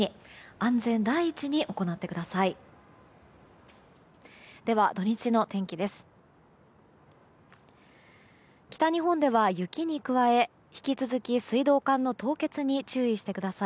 安全第一で行ってください。